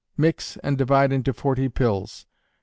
Mix, and divide into 40 pills.